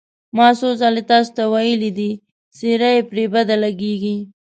ما څو ځل تاسې ته ویلي دي، څېره یې پرې بده لګېږي.